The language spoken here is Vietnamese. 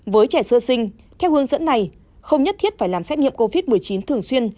với trẻ sơ sinh theo hướng dẫn này không nhất thiết phải làm xét nghiệm covid một mươi chín thường xuyên